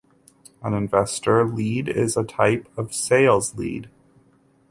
An investor lead is a type of a sales lead.